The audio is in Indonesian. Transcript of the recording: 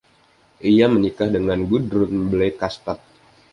Ia menikah dengan Gudrun Blekastad.